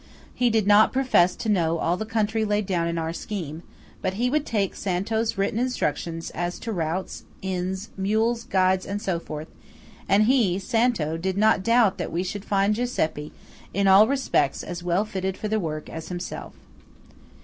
He did not profess to know all the country laid down in our scheme, but he would take Santo's written instructions as to routes, inns, mules, guides and so forth; and he, Santo, did not doubt that we should find Giuseppe, in all respects as well fitted for the work as himself.